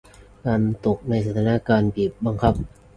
การตกในสถานการณ์บีบบังคับ